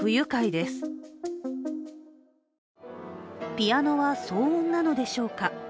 ピアノは騒音なのでしょうか。